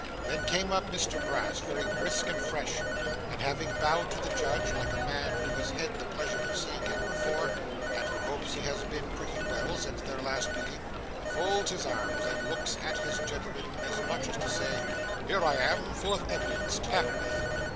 Then up comes Mr Brass, very brisk and fresh; and, having bowed to the judge, like a man who has had the pleasure of seeing him before, and who hopes he has been pretty well since their last meeting, folds his arms, and looks at his gentleman as much as to say 'Here I am full of evidence Tap me!